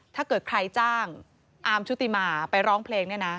ถ้าเกิดใครจ้างอาร์มชุติมาไปร้องเพลงเนี่ยนะ